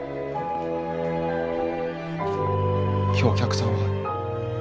今日お客さんはまさか。